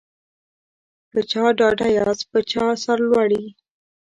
په چا ډاډه یاست په چا سرلوړي